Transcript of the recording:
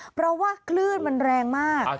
เพราะว่าคลื่นมันแรงมาก